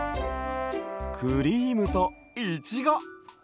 クリームといちご。